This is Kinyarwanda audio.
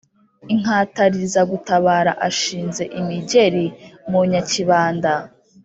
inkatariza gutabara ashinze imigeri mu nyakibanda